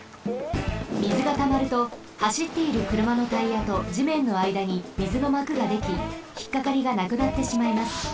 みずがたまるとはしっているくるまのタイヤとじめんのあいだにみずのまくができひっかかりがなくなってしまいます。